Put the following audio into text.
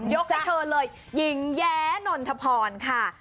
ให้เธอเลยหญิงแย้นนทพรค่ะ